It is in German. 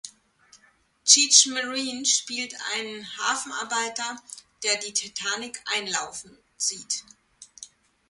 Cheech Marin spielt einen Hafenarbeiter, der die Titanic einlaufen sieht.